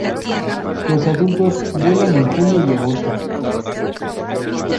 Los adultos vuelan en julio y agosto.